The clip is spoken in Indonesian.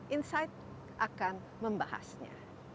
insight akan membahasnya